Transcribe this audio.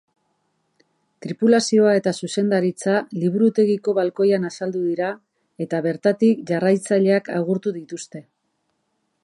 Tripulazioa eta zuzendaritza liburutegiko balkoian azaldu dira eta bertatik jarraitzaileak agurtu dituzte.